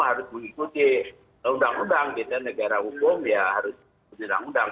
harus mengikuti undang undang negara umum